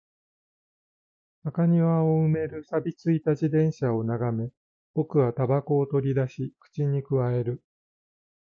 中庭を埋める錆び付いた自転車を眺め、僕は煙草を取り出し、口に咥える